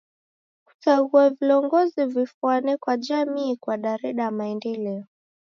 Kusaghua vilongozi vifwane kwa jamii kwadareda maendeleo.